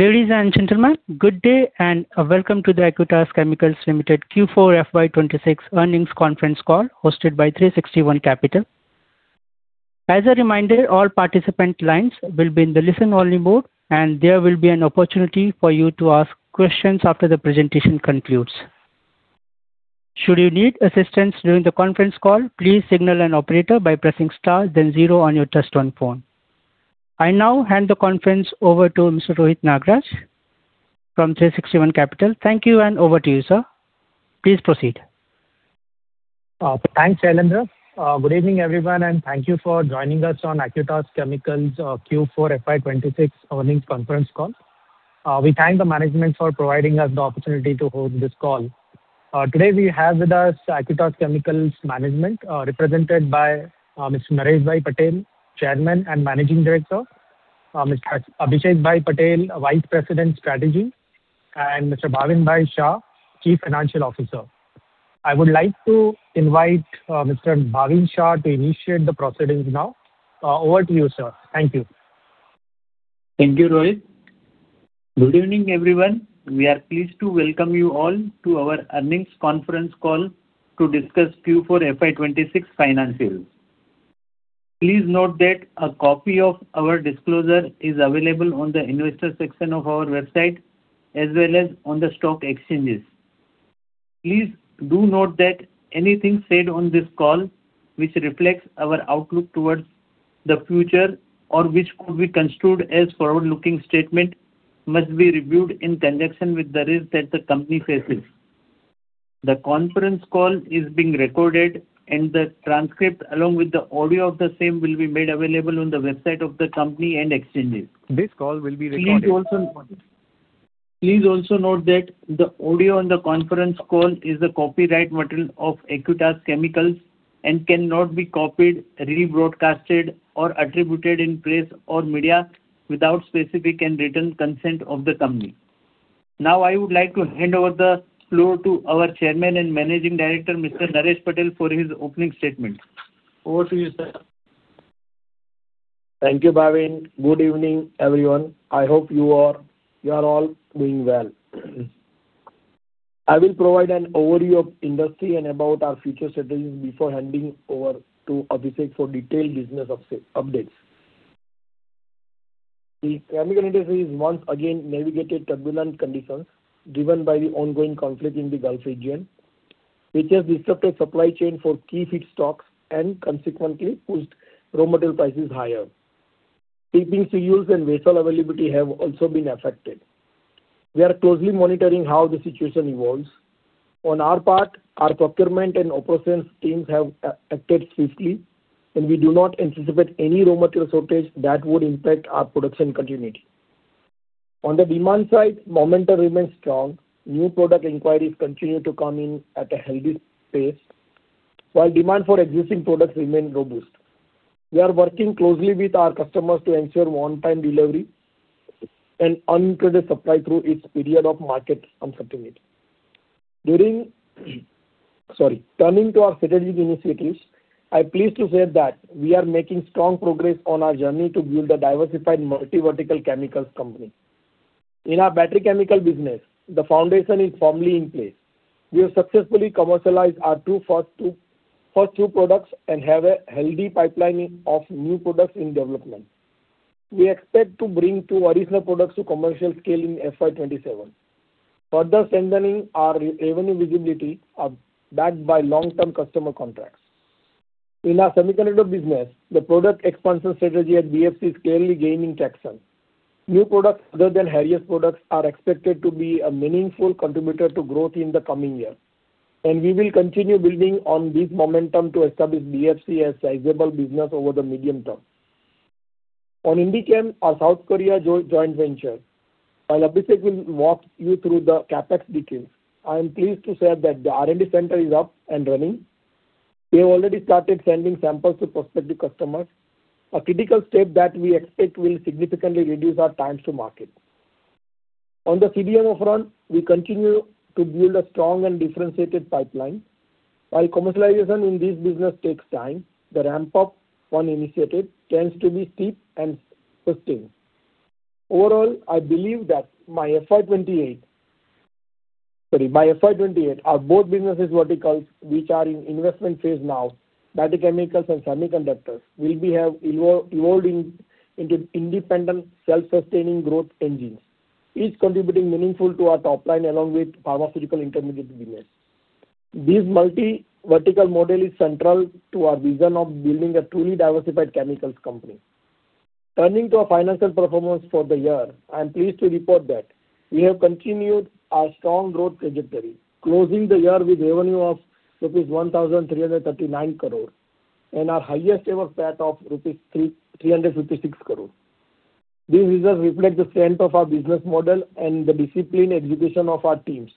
Ladies and gentlemen, good day and welcome to the Acutaas Chemicals Limited Q4 FY26 earnings conference call hosted by 360 ONE Capital. As a reminder, all participant lines will be in the listen-only mode, and there will be an opportunity for you to ask questions after the presentation concludes. Should you need assistance during the conference call, please signal an operator by pressing star then zero on your touchtone phone. I now hand the conference over to Mr. Rohit Nagraj from 360 ONE Capital. Thank you and over to you, sir. Please proceed Thanks, Alendra. Good evening, everyone, and thank you for joining us on Acutaas Chemicals', Q4 FY 2026 earnings conference call. We thank the management for providing us the opportunity to hold this call. Today we have with us Acutaas Chemicals management, represented by Mr. Naresh Bhai Patel, Chairman and Managing Director, Mr. Abhishek Bhai Patel, Vice President, Strategy, and Mr. Bhavin Bhai Shah, Chief Financial Officer. I would like to invite Mr. Bhavin Shah to initiate the proceedings now. Over to you, sir. Thank you. Thank you, Rohit. Good evening, everyone. We are pleased to welcome you all to our earnings conference call to discuss Q4 FY 2026 financials. Please note that a copy of our disclosure is available on the investor section of our website, as well as on the stock exchanges. Please do note that anything said on this call, which reflects our outlook towards the future or which could be construed as forward-looking statement must be reviewed in conjunction with the risk that the company faces. The conference call is being recorded and the transcript along with the audio of the same will be made available on the website of the company and exchanges. This call will be recorded. Please also note that the audio on the conference call is the copyright material of Acutaas Chemicals and cannot be copied, rebroadcasted, or attributed in press or media without specific and written consent of the company. I would like to hand over the floor to our Chairman and Managing Director, Mr. Naresh Patel, for his opening statement. Over to you, sir. Thank you, Bhavin. Good evening, everyone. I hope you are all doing well. I will provide an overview of industry and about our future strategies before handing over to Abhishek for detailed business updates. The chemical industry has once again navigated turbulent conditions driven by the ongoing conflict in the Gulf region, which has disrupted supply chain for key feedstocks and consequently pushed raw material prices higher. PP ratios and vessel availability have also been affected. We are closely monitoring how the situation evolves. On our part, our procurement and operations teams have acted swiftly, and we do not anticipate any raw material shortage that would impact our production continuity. On the demand side, momentum remains strong. New product inquiries continue to come in at a healthy pace, while demand for existing products remain robust. We are working closely with our customers to ensure on-time delivery and uninterrupted supply through each period of market uncertainty. Turning to our strategic initiatives, I'm pleased to say that we are making strong progress on our journey to build a diversified multi-vertical chemicals company. In our battery chemical business, the foundation is firmly in place. We have successfully commercialized our first two products and have a healthy pipeline of new products in development. We expect to bring two additional products to commercial scale in FY 2027, further strengthening our revenue visibility, backed by long-term customer contracts. In our semiconductor business, the product expansion strategy at BFC is clearly gaining traction. New products other than uncertain products are expected to be a meaningful contributor to growth in the coming year, and we will continue building on this momentum to establish BFC as sizable business over the medium term. On Indichem, our South Korea joint venture, while Abhishek will walk you through the CapEx details, I am pleased to share that the R&D center is up and running. We have already started sending samples to prospective customers, a critical step that we expect will significantly reduce our times to market. On the CDMO front, we continue to build a strong and differentiated pipeline. While commercialization in this business takes time, the ramp-up on initiative tends to be steep and sustained. Overall, I believe that by FY 2028. Sorry. By FY 2028, our both businesses verticals which are in investment phase now, Battery Chemicals and Semiconductors, will have evolved into independent self-sustaining growth engines, each contributing meaningful to our top line along with pharmaceutical intermediate business. This multi-vertical model is central to our vision of building a truly diversified chemicals company. Turning to our financial performance for the year, I am pleased to report that we have continued our strong growth trajectory, closing the year with revenue of rupees 1,339 crore and our highest ever PAT of rupees 356 crore. These results reflect the strength of our business model and the disciplined execution of our teams.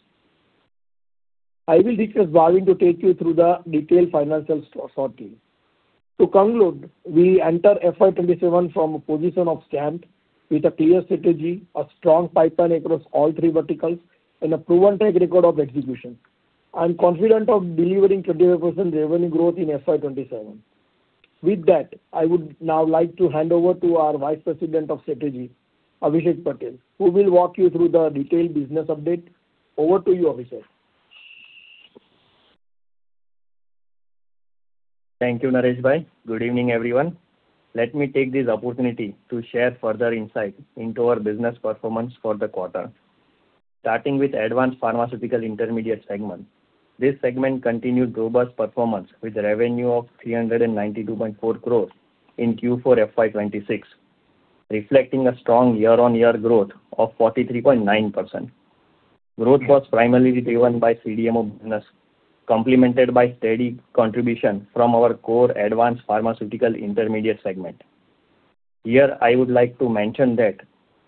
I will request Bhavin to take you through the detailed financial sort. To conclude, we enter FY 2027 from a position of strength with a clear strategy, a strong pipeline across all three verticals, and a proven track record of execution. I am confident of delivering 28% revenue growth in FY 2027. With that, I would now like to hand over to our Vice President, Strategy, Abhishek Patel, who will walk you through the detailed business update. Over to you, Abhishek. Thank you, Naresh Bhai. Good evening, everyone. Let me take this opportunity to share further insight into our business performance for the quarter. Starting with Advanced Pharmaceutical Intermediates segment. This segment continued robust performance with revenue of 392.4 crores in Q4 FY 2026, reflecting a strong year on year growth of 43.9%. Growth was primarily driven by CDMO business, complemented by steady contribution from our core Advanced Pharmaceutical Intermediates segment. Here, I would like to mention that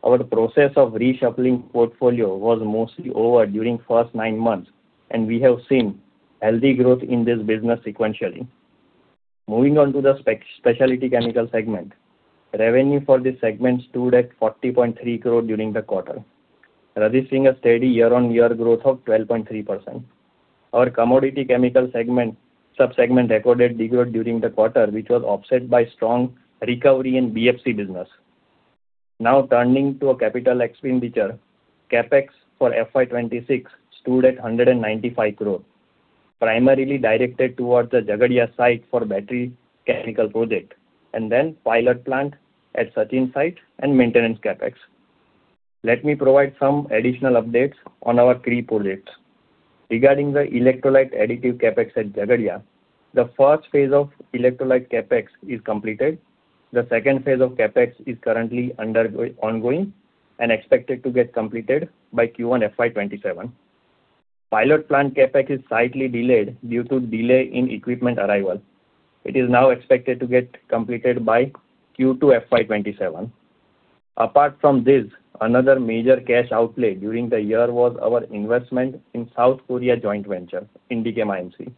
our process of reshuffling portfolio was mostly over during first nine months, and we have seen healthy growth in this business sequentially. Moving on to the Specialty Chemical segment. Revenue for this segment stood at 40.3 crore during the quarter, registering a steady year on year growth of 12.3%. Our commodity chemical segment subsegment recorded decline during the quarter, which was offset by strong recovery in BFC business. Turning to a capital expenditure. CapEx for FY 2026 stood at 195 crore, primarily directed towards the Jagadia site for battery chemical project and then pilot plant at Sachin site and maintenance CapEx. Let me provide some additional updates on our key projects. Regarding the electrolyte additive CapEx at Jagadia, the first phase of electrolyte CapEx is completed. The second phase of CapEx is currently ongoing and expected to get completed by Q1 FY 2027. Pilot plant CapEx is slightly delayed due to delay in equipment arrival. It is now expected to get completed by Q2 FY 2027. Apart from this, another major cash outlay during the year was our investment in South Korea joint venture in Indichem Inc.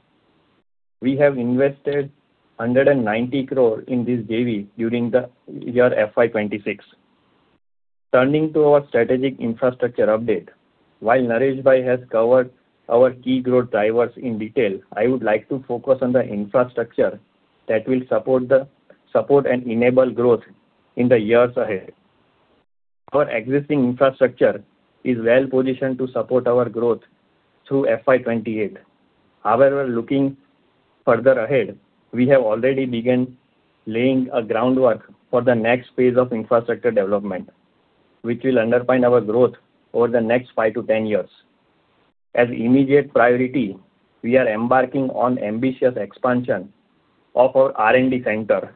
We have invested 190 crore in this JV during the year FY 2026. Turning to our strategic infrastructure update. While Naresh Bhai has covered our key growth drivers in detail, I would like to focus on the infrastructure that will support and enable growth in the years ahead. Our existing infrastructure is well-positioned to support our growth through FY 2028. However, looking further ahead, we have already begun laying a groundwork for the next phase of infrastructure development, which will underpin our growth over the next five to 10 years. As immediate priority, we are embarking on ambitious expansion of our R&D center,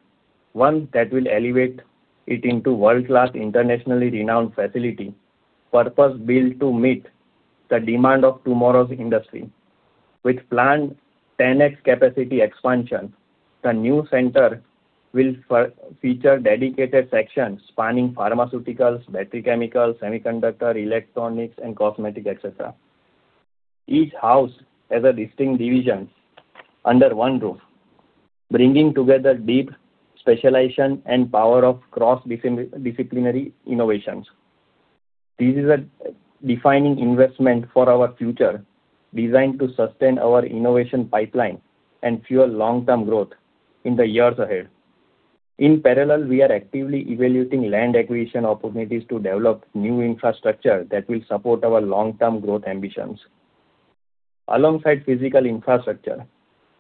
one that will elevate it into world-class internationally renowned facility, purpose-built to meet the demand of tomorrow's industry. With planned 10x capacity expansion, the new center will feature dedicated sections spanning pharmaceuticals, battery chemicals, semiconductor, electronics, and cosmetic, et cetera. Each housed as a distinct division under one roof, bringing together deep specialization and power of cross-disciplinary innovations. This is a defining investment for our future, designed to sustain our innovation pipeline and fuel long-term growth in the years ahead. We are actively evaluating land acquisition opportunities to develop new infrastructure that will support our long-term growth ambitions. Alongside physical infrastructure,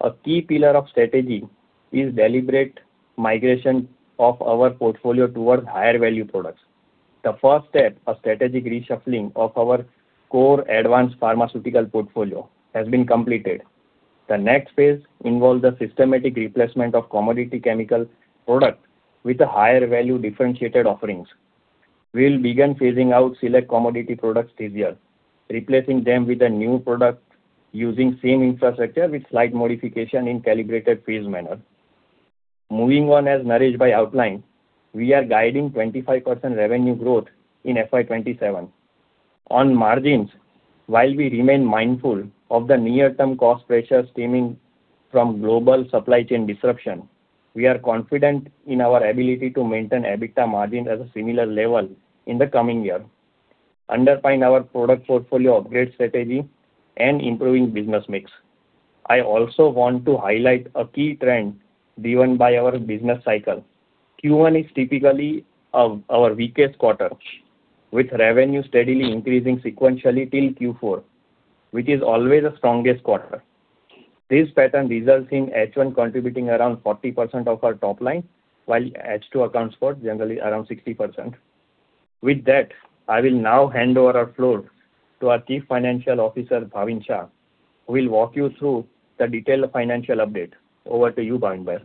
a key pillar of strategy is deliberate migration of our portfolio towards higher-value products. The first step of strategic reshuffling of our core advanced pharmaceutical portfolio has been completed. The next phase involves the systematic replacement of commodity chemical product with a higher-value differentiated offerings. We'll begin phasing out select commodity products this year, replacing them with a new product using same infrastructure with slight modification in calibrated phased manner. As Naresh Bhai outlined, we are guiding 25% revenue growth in FY 2027. On margins, while we remain mindful of the near-term cost pressures stemming from global supply chain disruption, we are confident in our ability to maintain EBITDA margin at a similar level in the coming year, underpin our product portfolio upgrade strategy and improving business mix. I also want to highlight a key trend driven by our business cycle. Q1 is typically our weakest quarter, with revenue steadily increasing sequentially till Q4, which is always the strongest quarter. This pattern results in H1 contributing around 40% of our top line, while H2 accounts for generally around 60%. I will now hand over our floor to our Chief Financial Officer, Bhavin Shah, who will walk you through the detailed financial update. Over to you, Bhavin Bhai.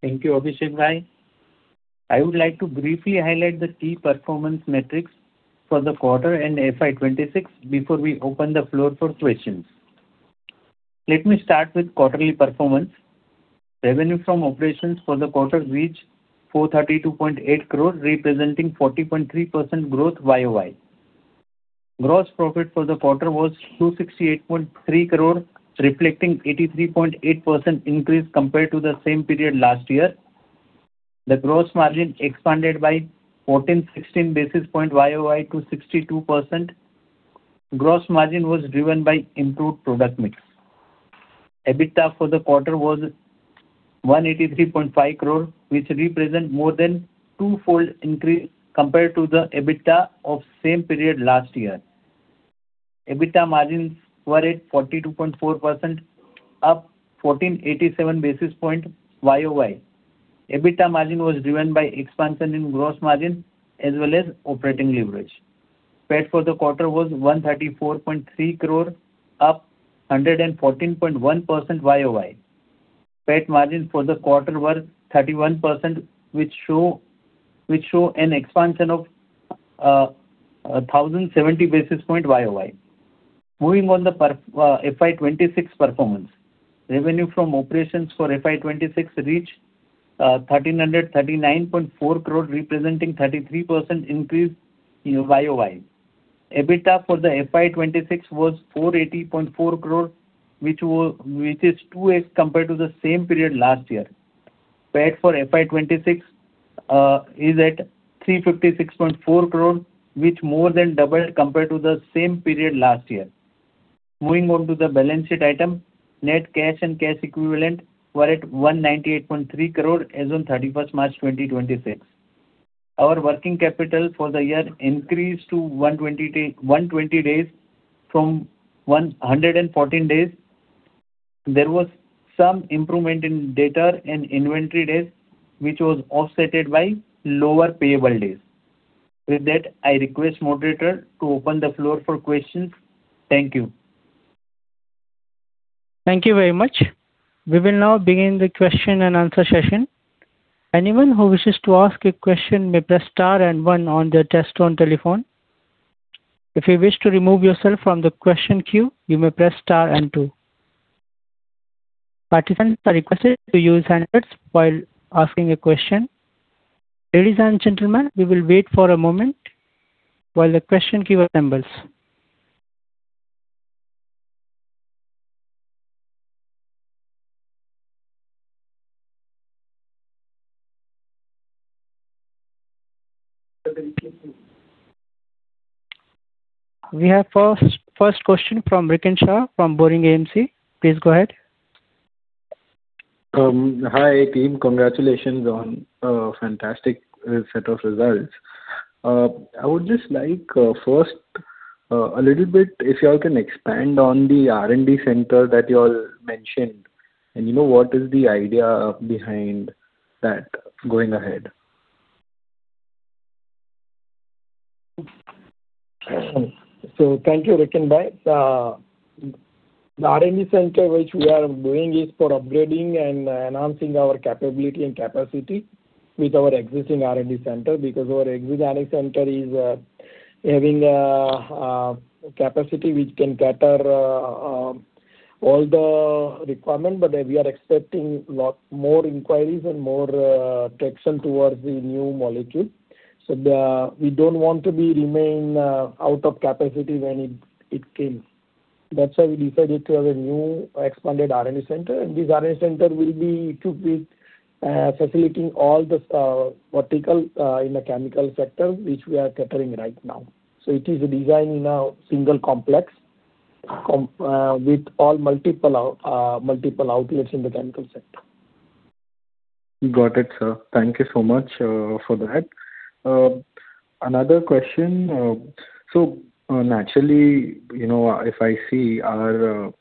Thank you, Abhishek Bhai. I would like to briefly highlight the key performance metrics for the quarter and FY 2026 before we open the floor for questions. Let me start with quarterly performance. Revenue from operations for the quarter reached 432.8 crore, representing 40.3% growth YoY. Gross profit for the quarter was 268.3 crore, reflecting 83.8% increase compared to the same period last year. The gross margin expanded by 1,416 basis points YoY to 62%. Gross margin was driven by improved product mix. EBITDA for the quarter was 183.5 crore, which represent more than twofold increase compared to the EBITDA of same period last year. EBITDA margins were at 42.4%, up 1,487 basis points YoY. EBITDA margin was driven by expansion in gross margin as well as operating leverage. PAT for the quarter was 134.3 crore, up 114.1% YoY. PAT margin for the quarter was 31%, which show an expansion of 1,070 basis points YoY. Moving on the FY26 performance. Revenue from operations for FY26 reached 1,339.4 crore, representing 33% increase, you know, YoY. EBITDA for the FY26 was 480.4 crore, which is 2x compared to the same period last year. PAT for FY26 is at 356.4 crore, which more than double compared to the same period last year. Moving on to the balance sheet item. Net cash and cash equivalent were at 198.3 crore as on 31st March 2026. Our working capital for the year increased to 120 days from 114 days. There was some improvement in debtor and inventory days, which was offset by lower payable days. With that, I request moderator to open the floor for questions. Thank you. Thank you very much. We will now begin the question and answer session. We have first question from Rikin Shah from Baring AMC. Please go ahead. Hi team. Congratulations on a fantastic set of results. I would just like first a little bit if y'all can expand on the R&D center that y'all mentioned and, you know, what is the idea behind that going ahead? Thank you, Rikin Bhai. The R&D center which we are doing is for upgrading and enhancing our capability and capacity with our existing R&D center, because our existing R&D center is having a capacity which can cater all the requirement. We are expecting lot more inquiries and more traction towards the new molecule. We don't want to be remain out of capacity when it came. That's why we decided to have a new expanded R&D center, and this R&D center will be facilitating all the vertical in the chemical sector, which we are catering right now. It is designed in a single complex with all multiple outlets in the chemical sector. Got it, sir. Thank you so much for that. Another question. Naturally, you know, if I see our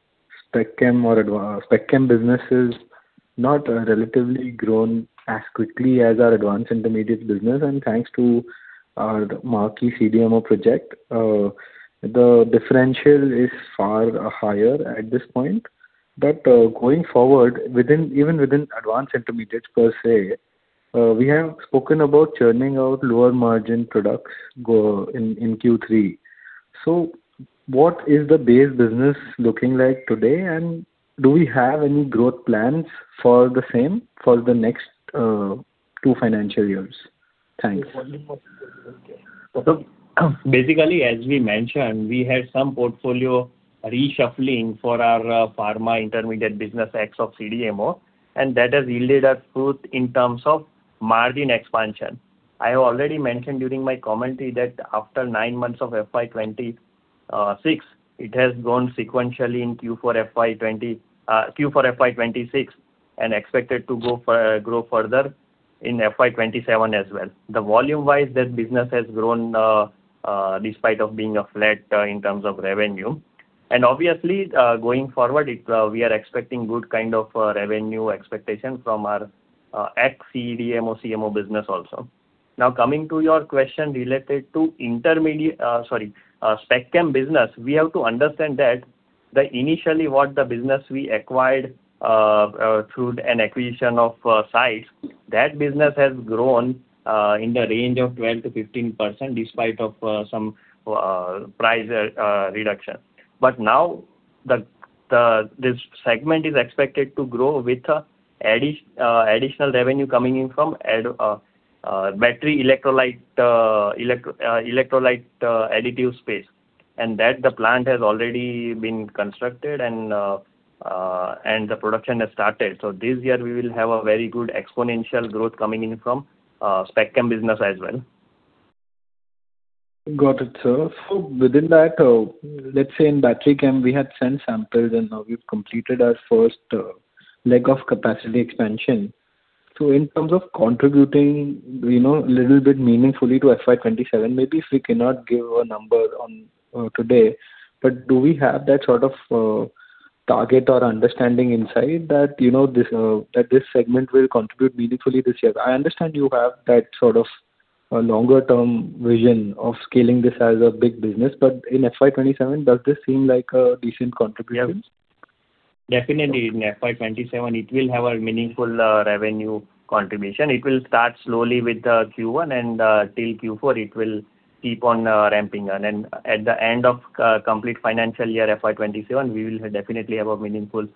SpecChem business is not relatively grown as quickly as our advanced intermediates business. Thanks to our marquee CDMO project, the differential is far higher at this point. Going forward even within advanced intermediates per se, we have spoken about churning out lower margin products in Q3. What is the base business looking like today, and do we have any growth plans for the same for the next two financial years? Thanks. Basically, as we mentioned, we had some portfolio reshuffling for our pharma intermediate business ex of CDMO, and that has yielded us good in terms of margin expansion. I have already mentioned during my commentary that after nine months of FY 2026, it has grown sequentially in Q4 FY 2026 and expected to grow further in FY 2027 as well. The volume-wise, that business has grown despite of being a flat in terms of revenue. Obviously, going forward it, we are expecting good kind of revenue expectation from our ex CDMO CMO business also. Coming to your question related to intermedie, sorry, SpecChem business. We have to understand that the initially what the business we acquired through an acquisition of size, that business has grown in the range of 12%-15% despite of some price reduction. Now this segment is expected to grow with additional revenue coming in from battery electrolyte additive space. The plant has already been constructed and the production has started. This year we will have a very good exponential growth coming in from Spec Chem business as well. Got it, sir. Within that, let's say in Battery Chem, we had sent samples, and now we've completed our first leg of capacity expansion. In terms of contributing, you know, a little bit meaningfully to FY 2027, maybe if we cannot give a number on today. Do we have that sort of target or understanding inside that, you know, this that this segment will contribute meaningfully this year? I understand you have that sort of a longer-term vision of scaling this as a big business. In FY 2027, does this seem like a decent contribution? Yeah. Definitely, in FY 2027 it will have a meaningful revenue contribution. It will start slowly with Q1 and till Q4 it will keep on ramping. At the end of complete financial year, FY 2027, we will definitely have a meaningful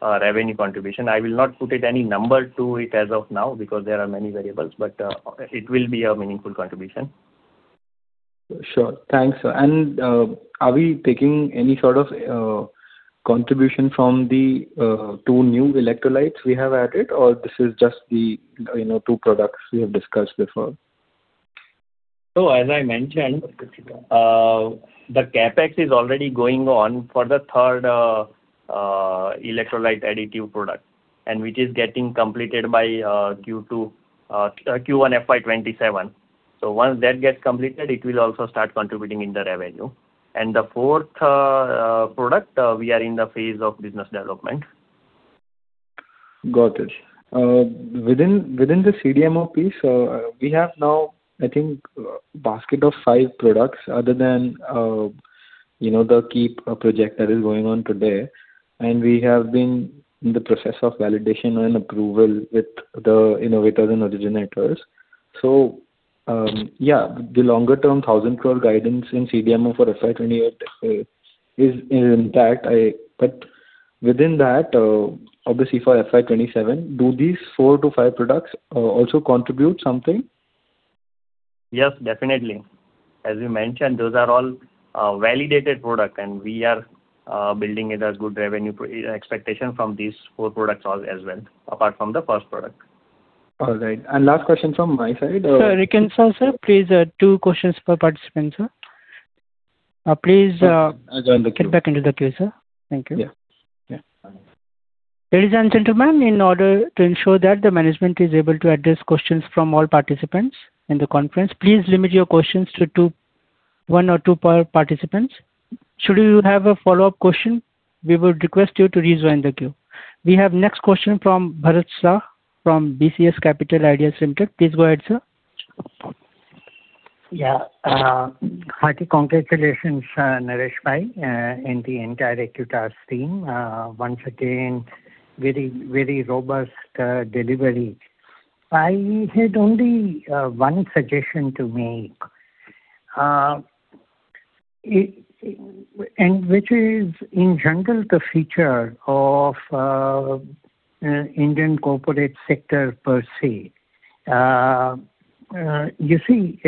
revenue contribution. I will not put it any number to it as of now because there are many variables, but it will be a meaningful contribution. Sure. Thanks. Are we taking any sort of contribution from the two new electrolytes we have added, or this is just the, you know, two products we have discussed before? So as I mentioned- Okay... the CapEx is already going on for the third, electrolyte additive product, and which is getting completed by Q1 FY 2027. Once that gets completed, it will also start contributing in the revenue. The fourth, product, we are in the phase of business development. Got it. Within the CDMO piece, we have now I think, a basket of five products other than, you know, the keep project that is going on today. We have been in the process of validation and approval with the innovators and originators. Yeah, the longer-term 1,000 crore guidance in CDMO for FY28 is intact. Within that, obviously for FY27, do these four to five products also contribute something? Yes, definitely. As you mentioned, those are all validated product and we are building it as good revenue expectation from these four products all as well, apart from the first product. All right. Last question from my side. Sir, Rikin Shah sir, please, two questions per participant, sir. I join the queue. get back into the queue, sir. Thank you. Yeah. Yeah. Ladies and gentlemen, in order to ensure that the management is able to address questions from all participants in the conference, please limit your questions to two, one or two per participants. Should you have a follow-up question, we would request you to rejoin the queue. We have next question from Bharat Shah from BCS Capital Idea Center. Please go ahead, sir. Hearty congratulations, Naresh Bhai, and the entire Acutaas team. Once again, very, very robust delivery. I had only one suggestion to make, and which is in general the feature of Indian corporate sector per se. You see,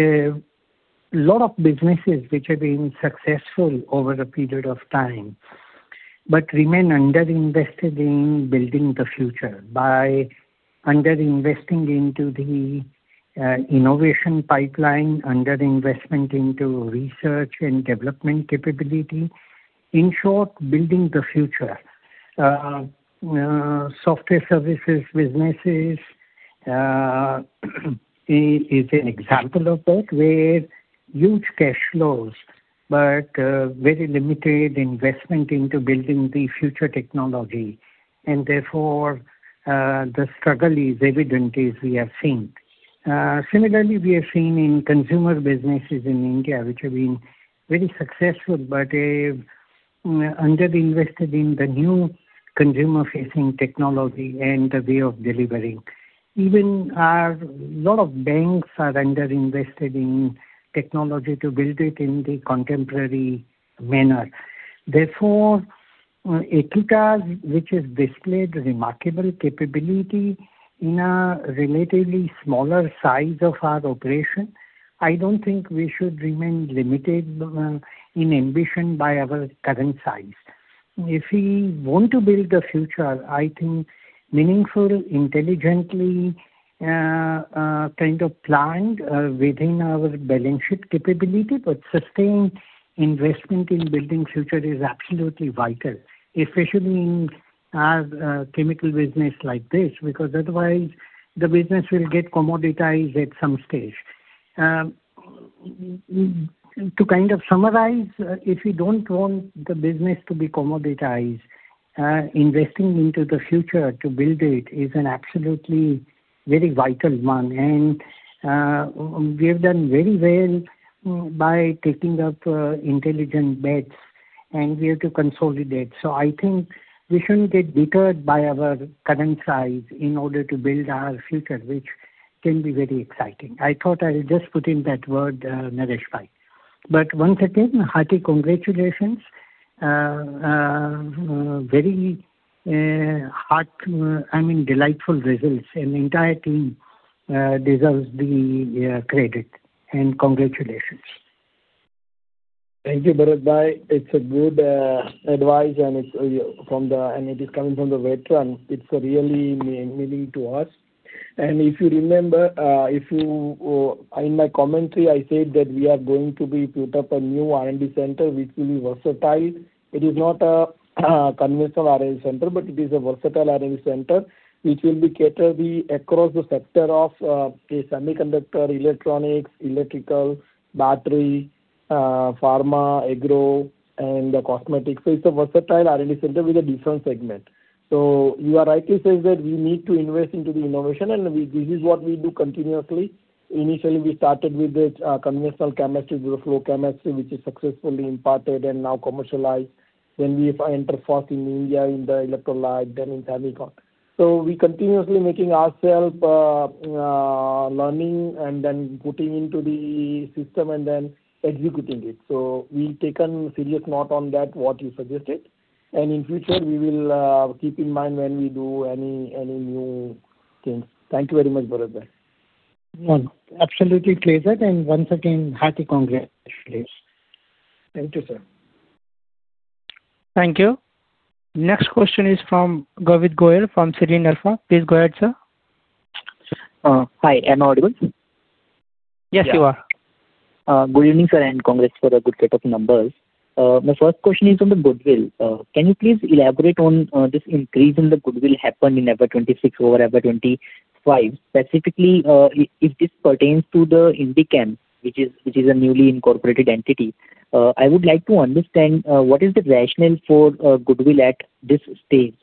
lot of businesses which have been successful over a period of time, but remain under-invested in building the future by under-investing into the innovation pipeline, under-investment into research and development capability. In short, building the future. Software services businesses is an example of that, where huge cash flows, but very limited investment into building the future technology and therefore, the struggle is evident as we have seen. Similarly, we have seen in consumer businesses in India, which have been very successful, but under-invested in the new consumer-facing technology and the way of delivering. Even our lot of banks are under-invested in technology to build it in the contemporary manner. Therefore, Acutaas which has displayed remarkable capability in a relatively smaller size of our operation, I don't think we should remain limited in ambition by our current size. If we want to build the future, I think meaningfully, intelligently, kind of planned within our balance sheet capability, but sustained investment in building future is absolutely vital, especially in our chemical business like this, because otherwise the business will get commoditized at some stage. To kind of summarize, if we don't want the business to be commoditized, investing into the future to build it is an absolutely very vital one. We've done very well by taking up intelligent bets and we have to consolidate. I think we shouldn't get deterred by our current size in order to build our future, which can be very exciting. I thought I'll just put in that word, Naresh Bhai. Once again, hearty congratulations. I mean delightful results, and the entire team, deserves the credit. Congratulations. Thank you, Bharat Shah. It's a good advice, and it is coming from the veteran. It's really meaning to us. If you remember, if you in my commentary, I said that we are going to be put up a new R&D center which will be versatile. It is not a conventional R&D center, but it is a versatile R&D center which will be cater the across the sector of, say, semiconductor, electronics, electrical, battery, pharma, agro and the cosmetic. It's a versatile R&D center with a different segment. You are rightly says that we need to invest into the innovation, and we this is what we do continuously. Initially, we started with the conventional chemistry, continuous flow chemistry, which is successfully imparted and now commercialized. We enter first in India in the electrolyte, then in Telecom. We continuously making ourself learning and then putting into the system and then executing it. We've taken serious note on that, what you suggested. In future, we will keep in mind when we do any new things. Thank you very much, Bharat Shah. No, absolutely pleased, and once again, hearty congratulations. Thank you, sir. Thank you. Next question is from Garvit Goyal from Serene Alpha. Please go ahead, sir. Hi. Am I audible? Yes, you are. Good evening, sir, and congrats for a good set of numbers. My first question is on the goodwill. Can you please elaborate on this increase in the goodwill happened in April 2026 over April 2025? Specifically, if this pertains to the Indichem, which is a newly incorporated entity. I would like to understand what is the rationale for goodwill at this stage.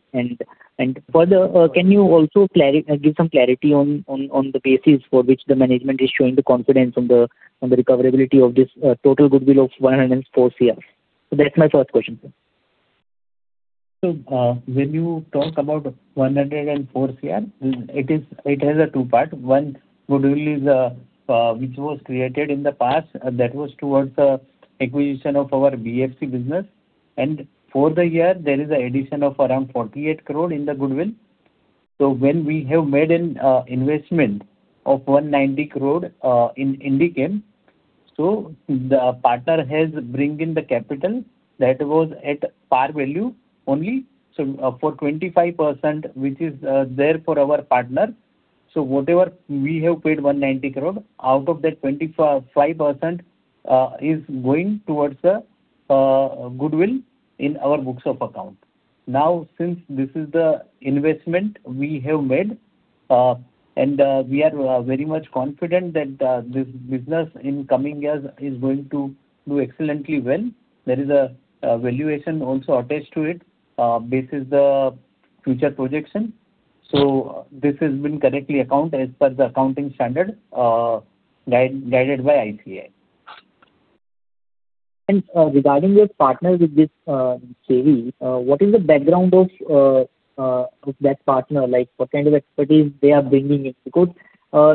Further, can you also give some clarity on the basis for which the management is showing the confidence on the recoverability of this total goodwill of 104 crore? That's my first question, sir. When you talk about 104 crore, it has two parts. One, goodwill is, which was created in the past, that was towards the acquisition of our BFC business. For the year, there is an addition of around 48 crore in the goodwill. When we have made an investment of 190 crore in Indichem, the partner has brought in the capital that was at par value only. For 25%, which is there for our partner. Whatever we have paid 190 crore, out of that 25%, is going towards the goodwill in our books of account. Now, since this is the investment we have made, and we are very much confident that this business in coming years is going to do excellently well. There is a valuation also attached to it, basis the future projection. This has been correctly account as per the accounting standard, guided by ICAI. Regarding your partner with this JV, what is the background of that partner? Like, what kind of expertise they are bringing in? Because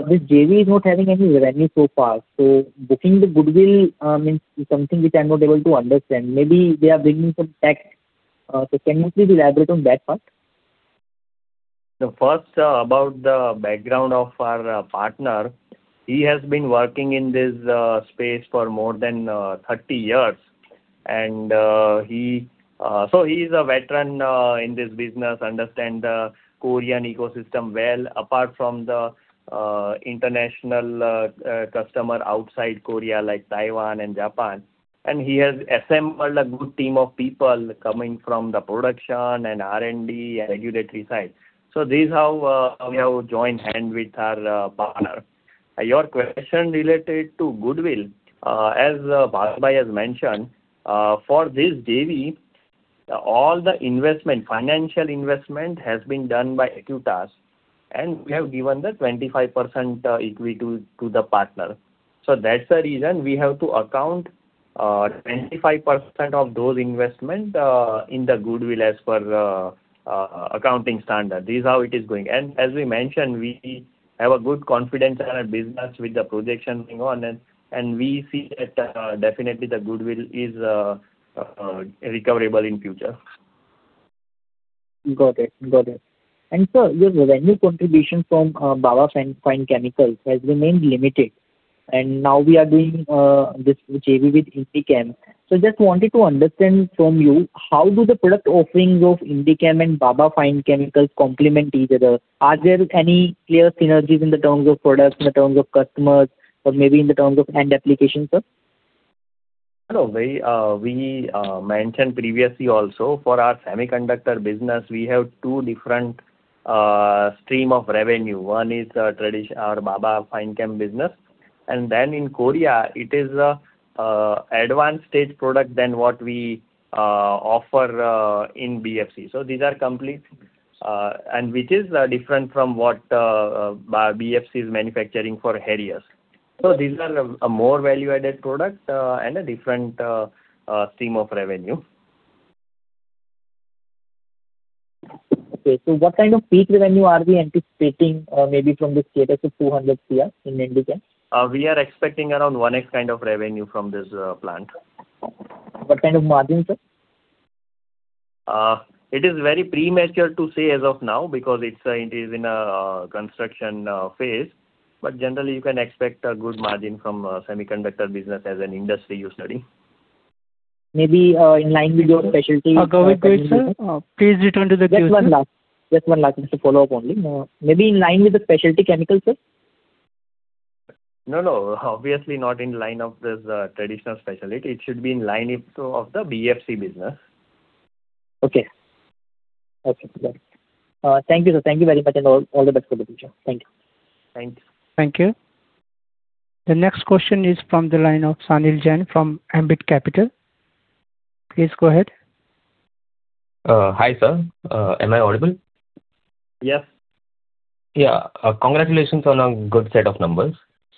this JV is not having any revenue so far, so booking the goodwill means something which I'm not able to understand. Maybe they are bringing some tech. Can you please elaborate on that part? First, about the background of our partner. He has been working in this space for more than 30 years. He's a veteran in this business, understand the Korean ecosystem well, apart from the international customer outside Korea, like Taiwan and Japan. He has assembled a good team of people coming from the production and R&D and regulatory side. This is how we have joined hand with our partner. Your question related to goodwill. As Bharat Shah has mentioned, for this JV, all the investment, financial investment has been done by Acutaas, and we have given the 25% equity to the partner. That's the reason we have to account 25% of those investment in the goodwill as per accounting standard. This is how it is going. As we mentioned, we have a good confidence on our business with the projection going on. We see that definitely the goodwill is recoverable in future. Got it. Got it. Sir, your revenue contribution from Baba Fine Chemicals has remained limited, and now we are doing this JV with Indichem. Just wanted to understand from you, how do the product offerings of Indichem and Baba Fine Chemicals complement each other? Are there any clear synergies in the terms of products, in the terms of customers, or maybe in the terms of end application, sir? Hello. We mentioned previously also for our semiconductor business, we have two different stream of revenue. One is our Baba Fine Chem business. In Korea it is advanced stage product than what we offer in BFC. These are complete, and which is different from what BFC is manufacturing for years. These are a more value-added product and a different stream of revenue. Okay. What kind of peak revenue are we anticipating, maybe from this status of 200 CR in Indichem? We are expecting around 1x kind of revenue from this plant. What kind of margin, sir? It is very premature to say as of now because it's, it is in construction phase. Generally you can expect a good margin from semiconductor business as an industry you study. Maybe, in line with your specialty. Garvit Goyal, sir. Please return to the queue, sir. Just one last, just to follow up only. Maybe in line with the specialty chemicals, sir? No, no. Obviously not in line of this, traditional specialty. It should be in line with of the BFC business. Okay. Okay. Thank you, sir. Thank you very much and all the best for the future. Thank you. Thank you. Thank you. The next question is from the line of Sanil Jain from Ambit Capital. Please go ahead. Hi, sir. Am I audible? Yes. Congratulations on a good set of numbers.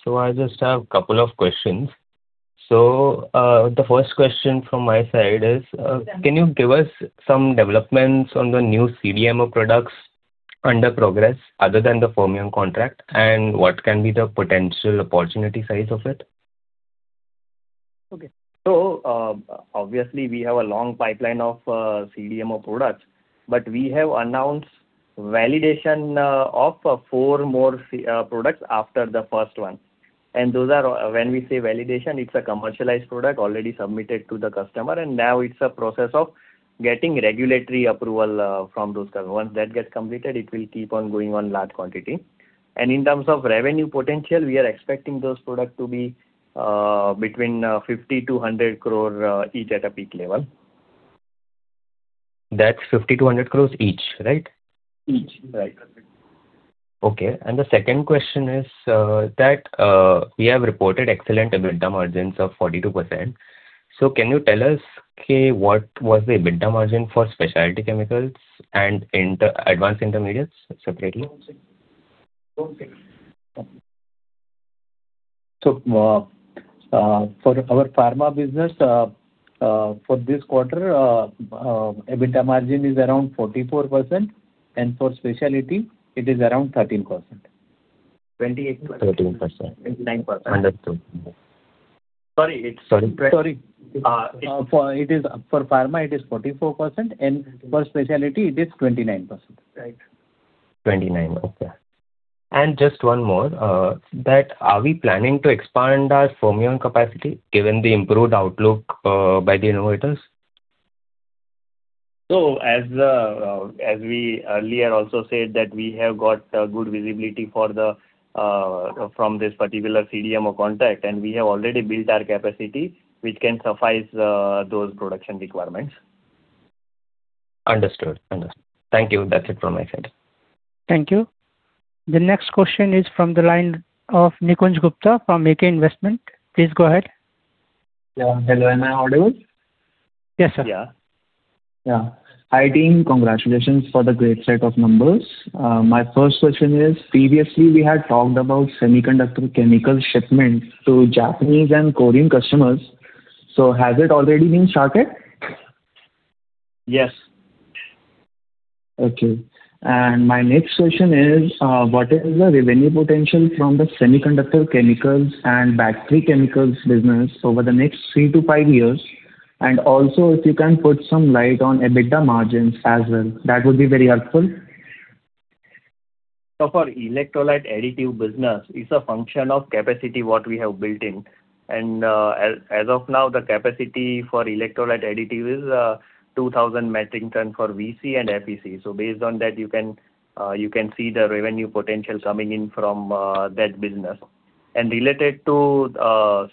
I just have two questions. The first question from my side is, can you give us some developments on the new CDMO products under progress other than the Fermion contract, and what can be the potential opportunity size of it? Okay. Obviously we have a long pipeline of CDMO products, but we have announced validation of four more products after the first one. When we say validation, it's a commercialized product already submitted to the customer, and now it's a process of getting regulatory approval from those customers. Once that gets completed, it will keep on going on large quantity. In terms of revenue potential, we are expecting those product to be between 50 crore-100 crore each at a peak level. That's 50-100 crores each, right? Each, right. Okay. The second question is that we have reported excellent EBITDA margins of 42%. Can you tell us, okay, what was the EBITDA margin for specialty chemicals and advanced intermediates separately also? Okay. For our pharma business, for this quarter, EBITDA margin is around 44%, and for specialty it is around 13%. 28%. 13%. 29%. Understood. Sorry. Sorry? For pharma it is 44% and for specialty it is 29%. Right. 29%. Okay. Just one more, that are we planning to expand our Fermion capacity given the improved outlook by the innovators? As we earlier also said that we have got a good visibility for the from this particular CDMO contract, and we have already built our capacity which can suffice those production requirements. Understood. Understood. Thank you. That's it from my side. Thank you. The next question is from the line of Nikunj Gupta from AK Investment. Please go ahead. Yeah. Hello, am I audible? Yes, sir. Yeah. Yeah. Hi, team. Congratulations for the great set of numbers. My first question is previously we had talked about semiconductor chemical shipment to Japanese and Korean customers. Has it already been started? Yes. Okay. My next question is, what is the revenue potential from the semiconductor chemicals and battery chemicals business over the next three to five years? Also if you can put some light on EBITDA margins as well, that would be very helpful. For electrolyte additive business, it's a function of capacity what we have built in. As of now, the capacity for electrolyte additive is 2,000 metric ton for VC and FEC. Based on that, you can see the revenue potential coming in from that business. Related to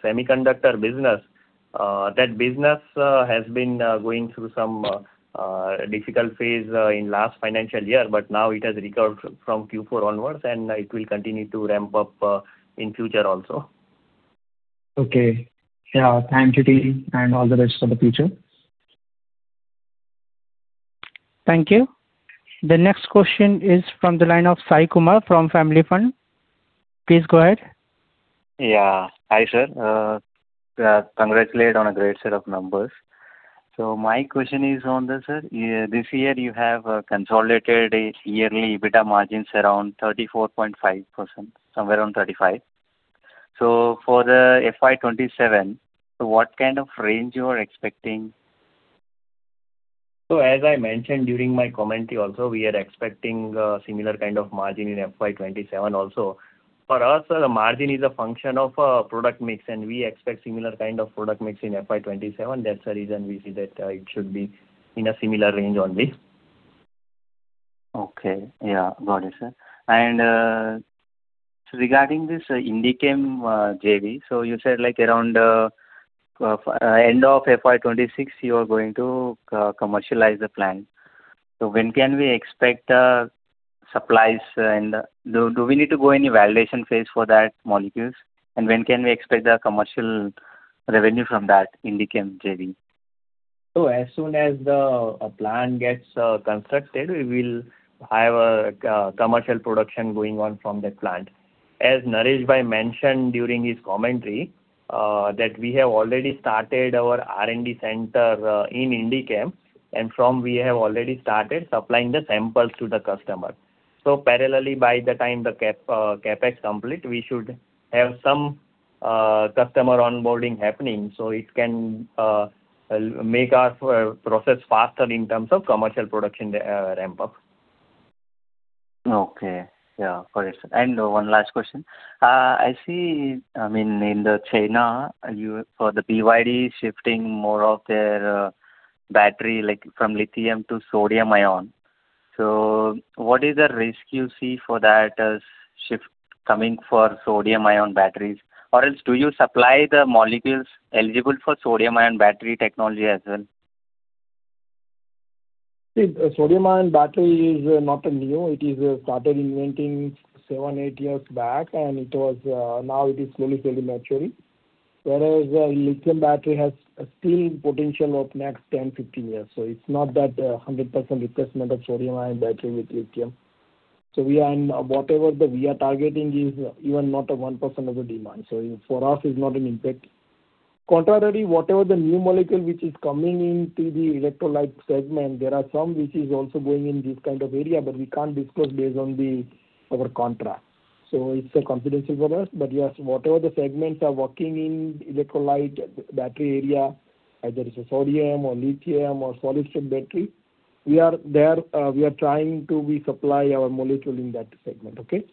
semiconductor business, that business has been going through some difficult phase in last financial year, but now it has recovered from Q4 onwards, and it will continue to ramp up in future also. Okay. Yeah. Thanks, team, and all the best for the future. Thank you. The next question is from the line of Sai Kumar from Family Fund. Please go ahead. Yeah. Hi, sir. Congratulations on a great set of numbers. My question is on this, sir. This year you have consolidated yearly EBITDA margins around 34.5%, somewhere around 35%. For the FY 2027, what kind of range you are expecting? As I mentioned during my commentary also, we are expecting similar kind of margin in FY 2027 also. For us, the margin is a function of product mix, and we expect similar kind of product mix in FY 2027. That's the reason we see that it should be in a similar range only. Okay. Yeah. Got it, sir. Regarding this Indichem JV, you said like around end of FY 2026 you are going to commercialize the plant. When can we expect supplies? And do we need to go any validation phase for that molecules? And when can we expect the commercial revenue from that Indichem JV? As soon as the plan gets constructed, we will have a commercial production going on from that plant. As Naresh Bhai mentioned during his commentary, that we have already started our R&D center in Indichem, and we have already started supplying the samples to the customer. Parallelly, by the time the CapEx complete, we should have some customer onboarding happening, so it can make our process faster in terms of commercial production ramp up. Okay. Yeah. Got it, sir. One last question. I see. I mean, in China, for the BYD shifting more of their battery, like from lithium to sodium-ion. So what is the risk you see for that shift coming for sodium-ion batteries? Or else do you supply the molecules eligible for sodium-ion battery technology as well? See, the sodium-ion battery is not new. It started inventing seven to eight years back, and it was. Now it is slowly maturing. Whereas lithium battery has still potential of next 10-15 years. It's not that 100% replacement of sodium-ion battery with lithium. We are in. Whatever that we are targeting is even not a 1% of the demand, so for us it's not an impact. Contrarily, whatever the new molecule which is coming into the electrolyte segment, there are some which is also going in this kind of area, but we can't disclose based on our contract. It's a confidential for us. But yes, whatever the segments are working in electrolyte battery area, either it's a sodium or lithium or solid-state battery, we are there, we are trying to resupply our molecule in that segment. Okay?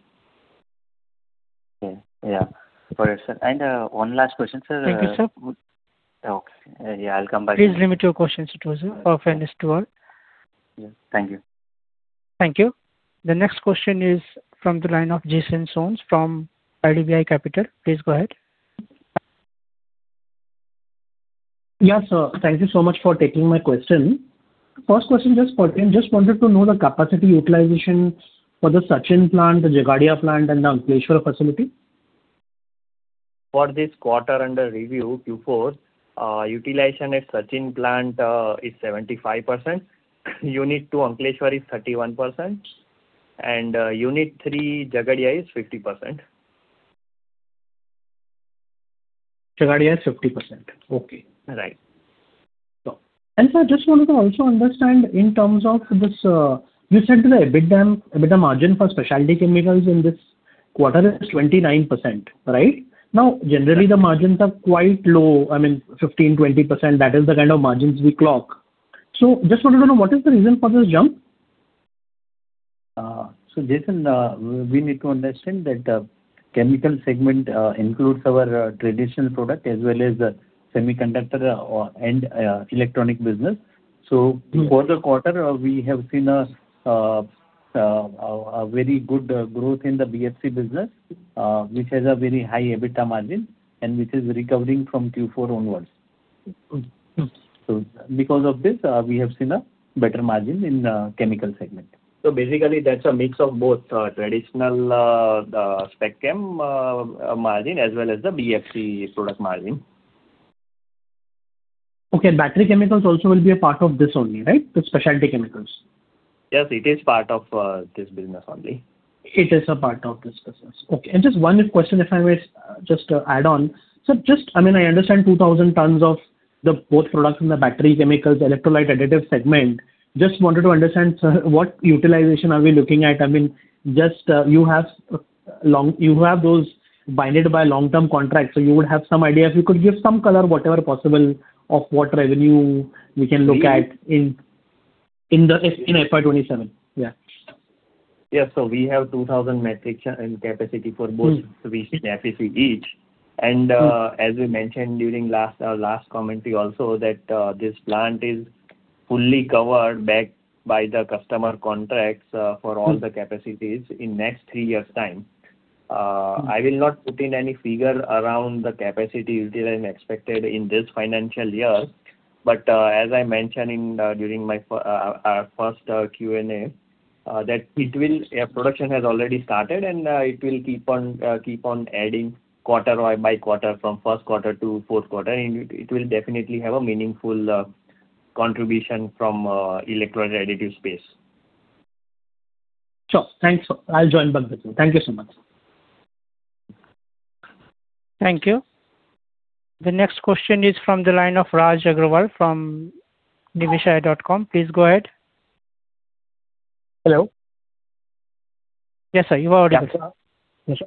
Yeah. Yeah. Got it, sir. One last question, sir. Thank you, sir. Okay. Yeah, I'll come back. Please limit your questions, Sai Kumar, for fairness to all. Yeah. Thank you. Thank you. The next question is from the line of Jason Soans from IDBI Capital. Please go ahead. Yeah, sir. Thank you so much for taking my question. First question, just wanted to know the capacity utilization for the Sachin plant, the Jagadia plant and the Ankleshwar facility. For this quarter under review, Q4, utilization at Sachin plant is 75%. Unit 2, Ankleshwar, is 31%. Unit 3, Jagadia, is 50%. Jagadia is 50%. Okay. Right. Sir, just wanted to also understand in terms of this. You said the EBITDA margin for specialty chemicals in this quarter is 29%, right? Now, generally the margins are quite low, I mean 15%-20%, that is the kind of margins we clock. Just wanted to know, what is the reason for this jump? Jason, we need to understand that chemical segment includes our traditional product as well as the semiconductor and electronic business. Mm-hmm. For the quarter, we have seen a very good growth in the BFC business, which has a very high EBITDA margin, and which is recovering from Q4 onwards. Mm-hmm. Mm-hmm. Because of this, we have seen a better margin in chemical segment. Basically that's a mix of both traditional SpecChem margin as well as the BFC product margin. Okay. Battery chemicals also will be a part of this only, right? The specialty chemicals. Yes, it is part of this business only. It is a part of this business. Okay. Just one quick question, if I may just add on. I mean, I understand 2,000 tons of the both products in the battery chemicals, electrolyte additive segment. Just wanted to understand, sir, what utilization are we looking at? I mean, you have those bound by long-term contract, so you would have some idea. If you could give some color, whatever possible, of what revenue we can look at in FY 2027. Yeah. Yeah. We have 2000 metric capacity for both- Mm-hmm. Which capacity each. As we mentioned during last commentary also that this plant is fully covered, backed by the customer contracts for all the capacities in next three years' time. Mm-hmm. I will not put in any figure around the capacity utilization expected in this financial year. As I mentioned during our first Q&A, production has already started, and it will keep on adding quarter by quarter from first quarter to fourth quarter, and it will definitely have a meaningful contribution from electrolyte additive space. Sure. Thanks. I'll join back with you. Thank you so much. Thank you. The next question is from the line of Raj Agrawal from [Niveshaay.com]. Please go ahead. Hello. Yes, sir. You are audible, sir. Yeah. Yes,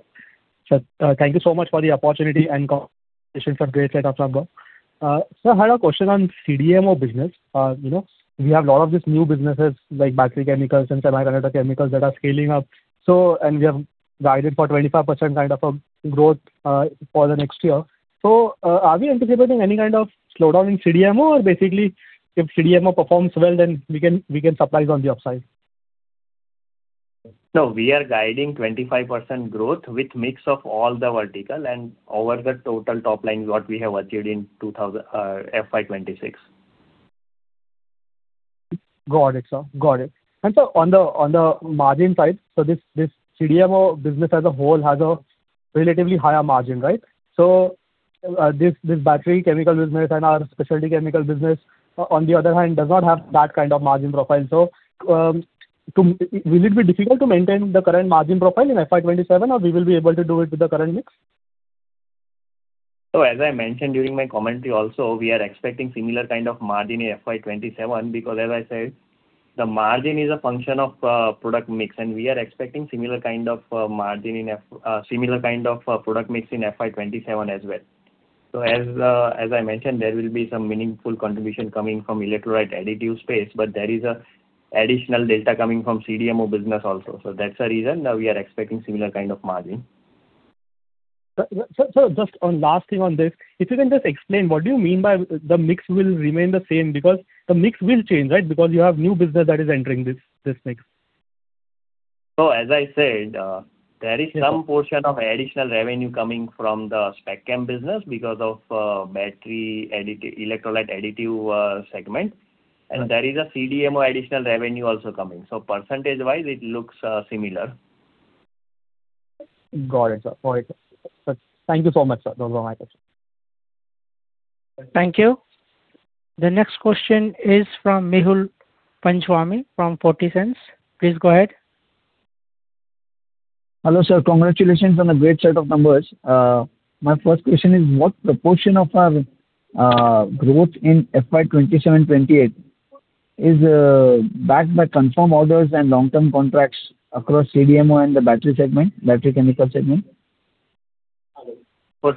sir. Thank you so much for the opportunity and conversation, sir. Great set of Got it, sir. Got it. On the margin side, so this CDMO business as a whole has a relatively higher margin, right? So- This battery chemical business and our specialty chemical business, on the other hand, does not have that kind of margin profile. Will it be difficult to maintain the current margin profile in FY 2027 or we will be able to do it with the current mix? As I mentioned during my commentary also, we are expecting similar kind of margin in FY 2027 because as I said, the margin is a function of product mix, and we are expecting similar kind of margin in FY 2027 as well. As I mentioned, there will be some meaningful contribution coming from electrolyte additive space, but there is an additional data coming from CDMO business also. That's the reason that we are expecting similar kind of margin. Just one last thing on this. If you can just explain what do you mean by the mix will remain the same? Because the mix will change, right? Because you have new business that is entering this mix. As I said, there is some portion of additional revenue coming from the SpecChem business because of battery additive, electrolyte additive segment. There is a CDMO additional revenue also coming. Percentage-wise it looks similar. Got it, sir. Got it. Thank you so much, sir. Those are my questions. Thank you. The next question is from [Mehul Panchwani from Forty Cents]. Please go ahead. Hello, sir. Congratulations on the great set of numbers. My first question is what proportion of our growth in FY 2027, 2028 is backed by confirmed orders and long-term contracts across CDMO and the battery segment, battery chemical segment? For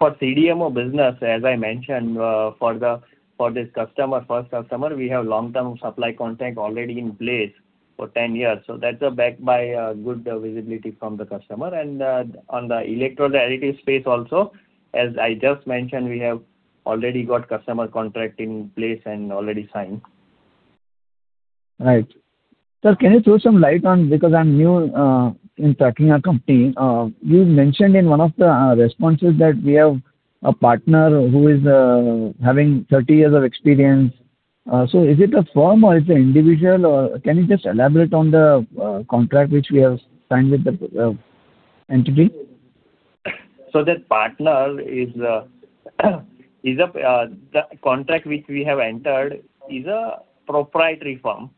CDMO business, as I mentioned, for this customer, first customer, we have long-term supply contract already in place for 10 years. So that's backed by good visibility from the customer. On the electrolyte additive space also, as I just mentioned, we have already got customer contract in place and already signed. Right. Sir, can you throw some light on it because I'm new in tracking our company. You mentioned in one of the responses that we have a partner who is having 30 years of experience. Is it a firm or is it individual or can you just elaborate on the contract which we have signed with the entity? The contract which we have entered is a proprietary firm,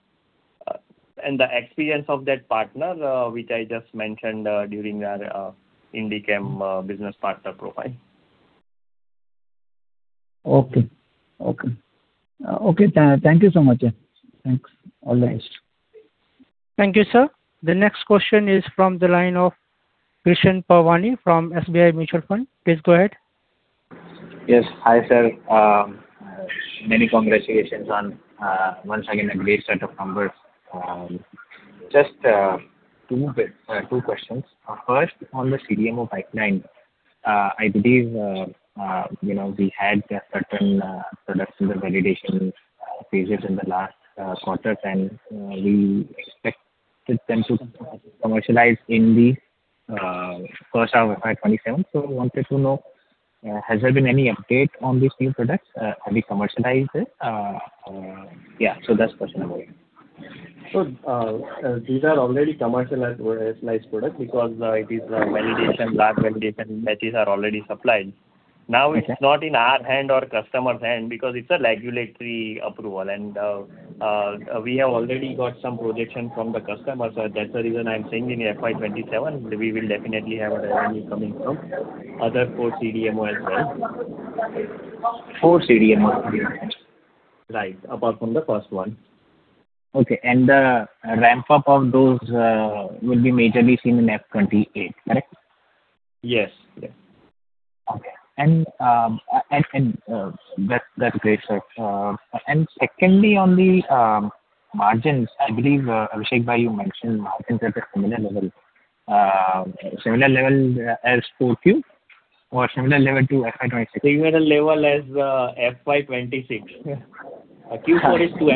and the experience of that partner, which I just mentioned, during our Indichem business partner profile. Okay. Thank you so much, yeah. Thanks. All the best. Thank you, sir. The next question is from the line of Krishan Parwani from SBI Mutual Fund. Please go ahead. Yes. Hi, sir. Many congratulations on once again a great set of numbers. Just two questions. First, on the CDMO pipeline, I believe you know we had certain products in the validation phases in the last quarter, and we expected them to commercialize in the first half of FY 2027. Wanted to know, has there been any update on these new products? Have we commercialized it? Yeah, so that's the question I have. These are already commercialized products because it is validation. Lab validation batches are already supplied. Now it's not in our hand or customer's hand because it's a regulatory approval and we have already got some projection from the customer. That's the reason I'm saying in FY 2027 we will definitely have a revenue coming from other four CDMO as well. four CDMO. Right. Apart from the first one. Okay. The ramp-up of those will be majorly seen in FY 2028, correct? Yes. Yes. Okay. That's great, sir. Secondly, on the margins, I believe, Abhishek Bhai, you mentioned margins at a similar level. Similar level as Q4 or similar level to FY 2026? Similar level as FY 2026. Yeah. Q4 is too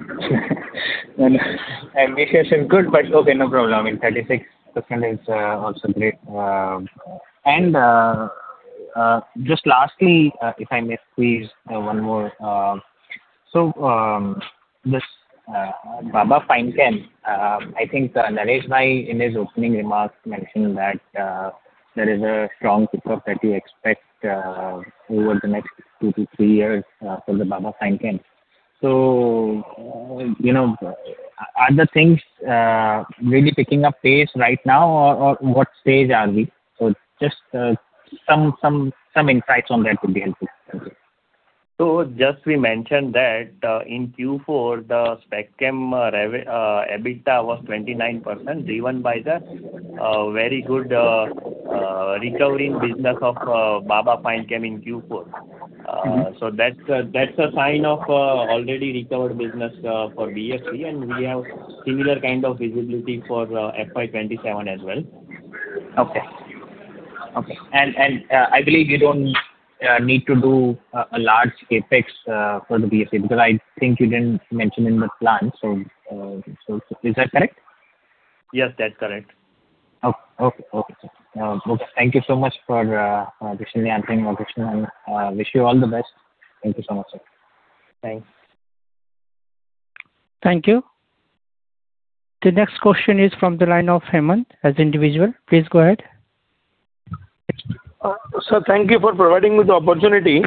ambiguous. Ambiguous and good, but okay, no problem. I mean, 36% is also great. Just lastly, if I may squeeze one more. This Baba Fine Chemicals, I think Naresh Bhai in his opening remarks mentioned that there is a strong pickup that you expect over the next two to three years for the Baba Fine Chemicals. You know, are the things really picking up pace right now or what stage are we? Just some insights on that would be helpful. Thank you. Just we mentioned that, in Q4, the SpecChem EBITDA was 29%, driven by the very good recovery in business of Baba FineChem in Q4. Mm-hmm. That's a sign of already recovered business for BFC, and we have similar kind of visibility for FY 2027 as well. Okay. I believe you don't need to do a large CapEx for the BFC because I think you didn't mention in the plan. Is that correct? Yes, that's correct. Okay, sir. Okay. Thank you so much for patiently answering my question and wish you all the best. Thank you so much, sir. Thanks. Thank you. The next question is from the line of Hemant as individual. Please go ahead. Sir, thank you for providing me the opportunity,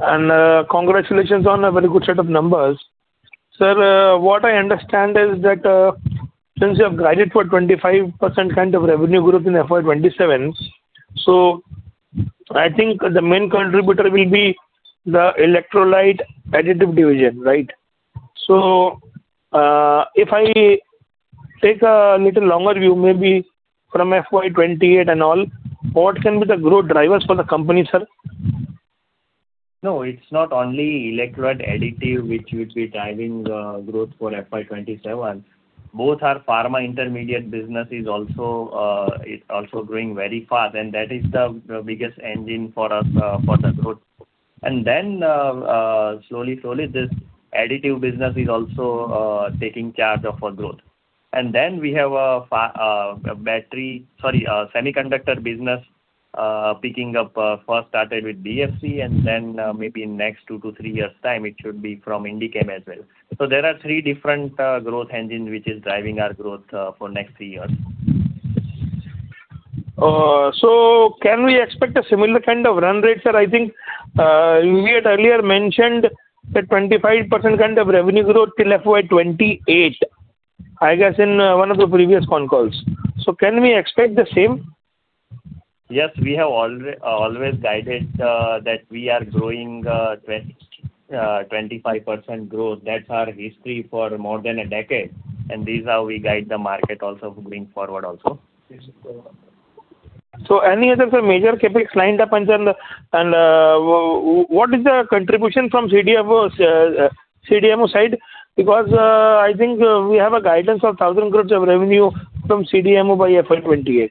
and congratulations on a very good set of numbers. Sir, what I understand is that, since you have guided for 25% kind of revenue growth in FY 2027, so I think the main contributor will be the electrolyte additive division, right? If I take a little longer view, maybe from FY 2028 and all, what can be the growth drivers for the company, sir? It's not only electrolyte additive which would be driving the growth for FY27. Both our pharma intermediate business is also, it's also growing very fast, and that is the biggest engine for us for the growth. Slowly, slowly, this additive business is also taking charge of our growth. We have a semiconductor business picking up. First started with BFC and then, maybe in next two to three years' time, it should be from Indichem Inc. as well. There are three different growth engine which is driving our growth for next three years. Can we expect a similar kind of run rate, sir? I think, you had earlier mentioned that 25% kind of revenue growth till FY 2028, I guess in, one of the previous con calls. Can we expect the same? Yes, we have always guided, that we are growing, 25% growth. That's our history for more than a decade, and this how we guide the market also going forward also. Any other major CapEx lined up, what is the contribution from CDMOs, CDMO side? Because I think we have a guidance of 1,000 crores of revenue from CDMO by FY 2028.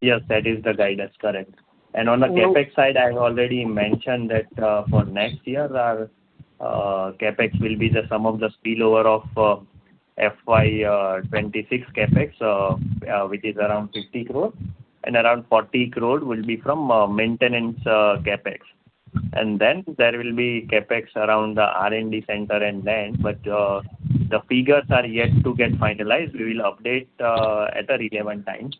Yes, that is the guidance. Correct. On the CapEx side, I've already mentioned that, for next year, our CapEx will be the sum of the spillover of FY 2026 CapEx, which is around 50 crore and around 40 crore will be from maintenance CapEx. Then there will be CapEx around the R&D center and land. The figures are yet to get finalized. We will update at a relevant time.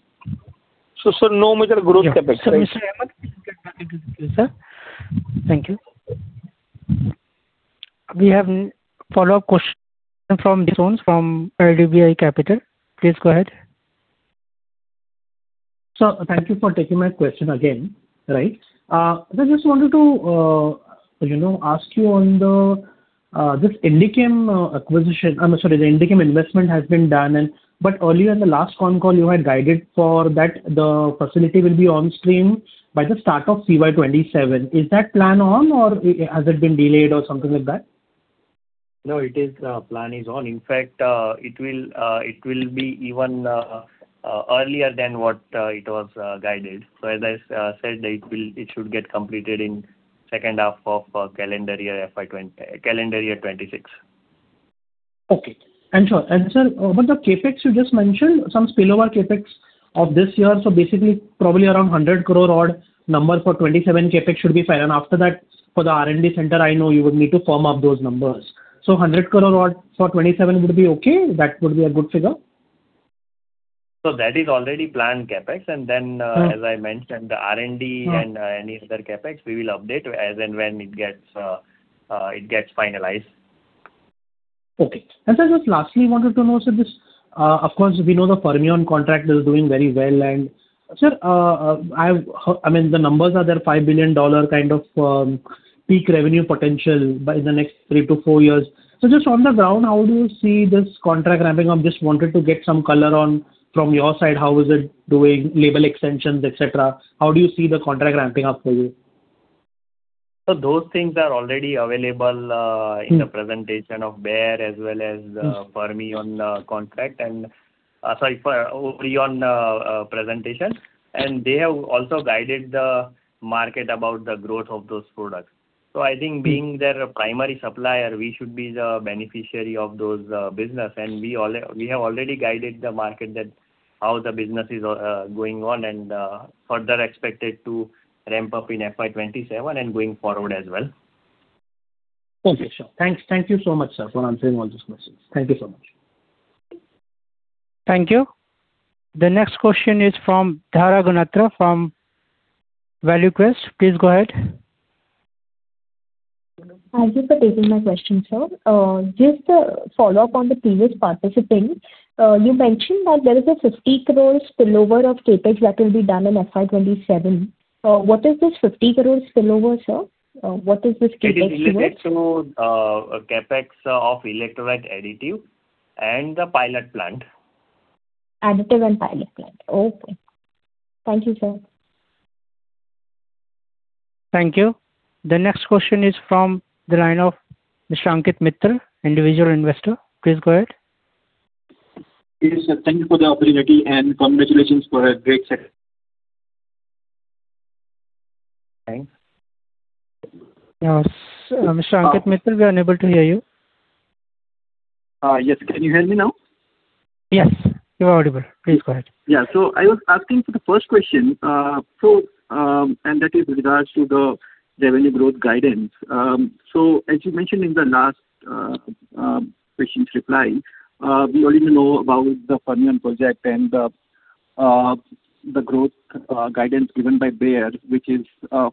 Sir, no major growth CapEx, right? Yes. Mr. Hemant, we'll get back to you, sir. Thank you. We have follow-up question from Mr. Soans from IDBI Capital. Please go ahead. Sir, thank you for taking my question again. Right. So I just wanted to, you know, ask you on the this Indichem acquisition. Sorry, the Indichem investment has been done and. Earlier in the last con call you had guided for that the facility will be on stream by the start of CY 2027. Is that plan on or has it been delayed or something like that? No, it is. Plan is on. In fact, it will be even earlier than what it was guided. As I said, it should get completed in second half of calendar year 2026. Okay. Sure. Sir, over the CapEx you just mentioned, some spillover CapEx of this year. Basically, probably around 100 crore odd number for 2027 CapEx should be fair. After that, for the R&D center, I know you would need to firm up those numbers. 100 crore odd for 2027 would be okay? That would be a good figure? That is already planned CapEx. Mm-hmm. As I mentioned, the R&D and any other CapEx, we will update as and when it gets finalized. Okay. Sir, just lastly, wanted to know, so this. Of course, we know the Fermion contract is doing very well. Sir, I mean, the numbers are there, $5 billion kind of peak revenue potential by the next three to four years. Just on the ground, how do you see this contract ramping up? Just wanted to get some color on from your side, how is it doing label extensions, et cetera. How do you see the contract ramping up for you? Those things are already available. Mm-hmm. In the presentation of Bayer as well as. Mm-hmm. Fermion contract. Sorry, for Orion presentation. They have also guided the market about the growth of those products. I think being their primary supplier, we should be the beneficiary of those business. We have already guided the market that how the business is going on and further expected to ramp up in FY 2027 and going forward as well. Thank you, sir. Thanks. Thank you so much, sir, for answering all those questions. Thank you so much. Thank you. The next question is from Dhara Ganatra from ValueQuest. Please go ahead. Thank you for taking my question, sir. Just a follow-up on the previous participant. You mentioned that there is an 50 crore spillover of CapEx that will be done in FY 2027. What is this 50 crore spillover, sir? What is this CapEx used for? It is related to CapEx of electrolyte additive and the pilot plant. Additive and pilot plant. Okay. Thank you, sir. Thank you. The next question is from the line of [Mr. Ankit Mittal], Individual Investor. Please go ahead. Yes, sir. Thank you for the opportunity, and congratulations for a great set. Thanks. Mr. Ankit Mittal, we are unable to hear you. Yes. Can you hear me now? Yes, you are audible. Please go ahead. Yeah. I was asking for the first question, and that is regards to the revenue growth guidance. As you mentioned in the last question's reply, we already know about the Fermion project and the growth guidance given by Bayer, which is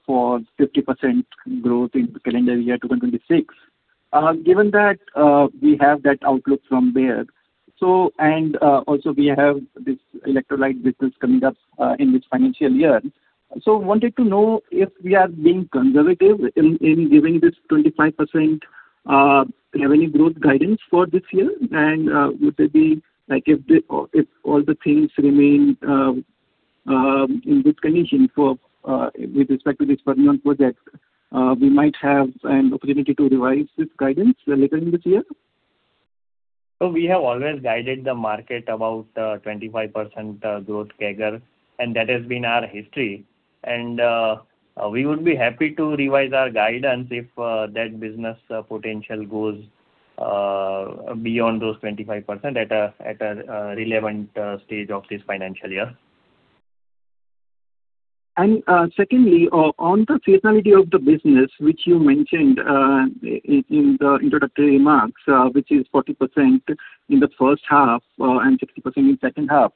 for 50% growth in calendar year 2026. Given that, we have that outlook from Bayer, and also we have this electrolyte business coming up in this financial year. Wanted to know if we are being conservative in giving this 25% revenue growth guidance for this year, and would there be... Like if all the things remain in good condition with respect to this Fermion project, we might have an opportunity to revise this guidance later in this year? We have always guided the market about 25% growth CAGR, and that has been our history. We would be happy to revise our guidance if that business potential goes beyond those 25% at a relevant stage of this financial year. Secondly, on the seasonality of the business which you mentioned in the introductory remarks, which is 40% in the first half and 60% in second half.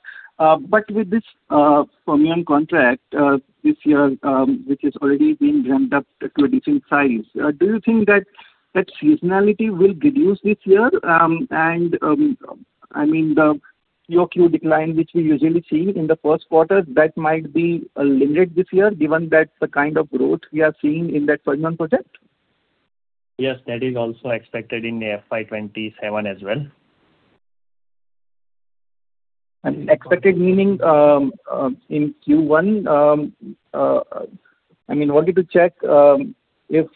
With this Fermion contract this year, which is already being ramped up to a decent size, do you think that that seasonality will reduce this year? I mean, the QOQ decline which we usually see in the first quarter, that might be limited this year given that the kind of growth we are seeing in that Fermion project. Yes, that is also expected in FY 2027 as well. Expected meaning in Q1, I mean, wanted to check if,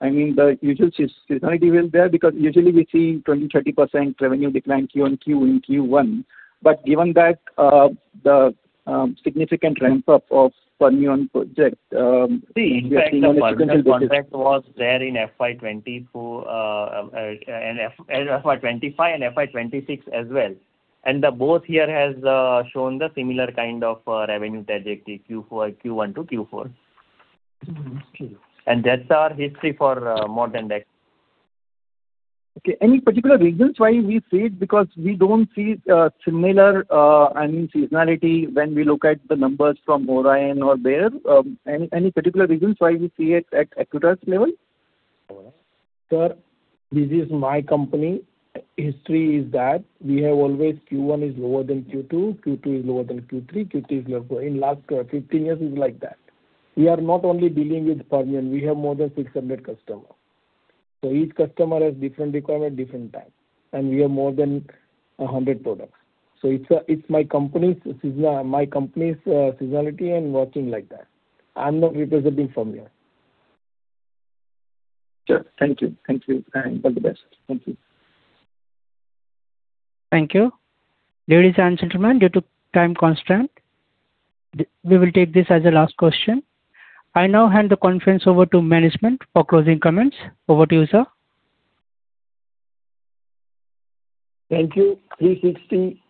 I mean, the usual seasonality was there because usually we see 20%-30% revenue decline Q-on-Q in Q1. But given that, the significant ramp-up of Fermion project. See, in fact the Fermion contract was there in FY 2024 and FY 2025 and FY 2026 as well. The both year has shown the similar kind of revenue trajectory Q1 to Q4. Mm-hmm. Okay. That's our history for more than that. Okay. Any particular reasons why we see it? Because we don't see similar, I mean, seasonality when we look at the numbers from Orion or Bayer. Any particular reasons why we see it at Acutaas level? Sir, this is my company. History is that we have always Q1 is lower than Q2 is lower than Q3 is lower. In the last 15 years is like that. We are not only dealing with Fermion, we have more than 600 customers. So each customer has different requirement, different time, and we have more than 100 products. So it's my company's seasonality and working like that. I'm not representing Fermion. Sure. Thank you. Thank you, and all the best. Thank you. Thank you. Ladies and gentlemen, due to time constraint, we will take this as a last question. I now hand the conference over to management for closing comments. Over to you, sir. Thank you, 360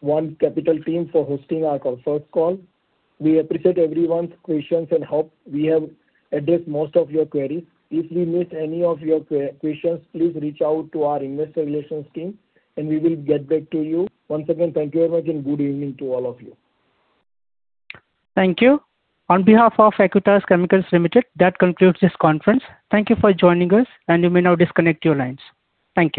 ONE Capital team for hosting our conference call. We appreciate everyone's questions and hope we have addressed most of your queries. If we missed any of your questions, please reach out to our investor relations team and we will get back to you. Once again, thank you very much and good evening to all of you. Thank you. On behalf of Acutaas Chemicals Limited, that concludes this conference. Thank you for joining us, and you may now disconnect your lines. Thank you.